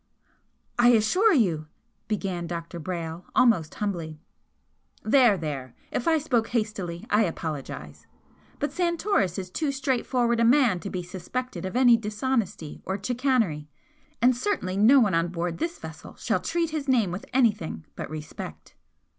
"I assure you " began Dr. Brayle, almost humbly. "There, there! If I spoke hastily, I apologise. But Santoris is too straightforward a man to be suspected of any dishonesty or chicanery and certainly no one on board this vessel shall treat his name with anything but respect."